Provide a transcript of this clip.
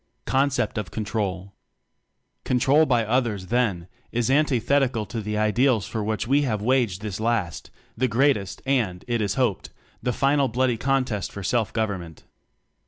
Concept of Control. Control by others, then, is antitheti cal to the ideals for which we have waged this last, the greatest, and, it is hoped, the final bloody contest for Self government.